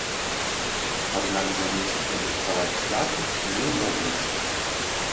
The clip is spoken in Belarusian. Аднак за месяц падрыхтаваць свята не ўдалося.